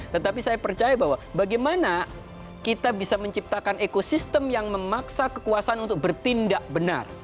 tetapi saya percaya bahwa bagaimana kita bisa menciptakan ekosistem yang memaksa kekuasaan untuk bertindak benar